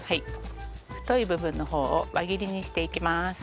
太い部分の方を輪切りにしていきます。